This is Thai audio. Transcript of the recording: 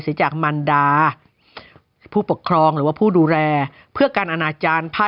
จากมันดาผู้ปกครองหรือว่าผู้ดูแลเพื่อการอนาจารย์ผ้า